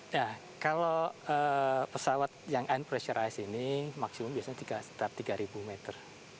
ya kalau pesawat yang unpressurized ini maksimum biasanya sekitar tiga meter